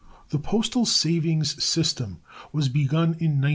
The postal savings system was begun in 1911.